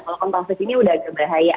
kalau kompalsif ini udah agak berbahaya